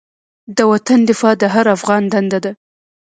د وطن دفاع د هر افغان دنده ده.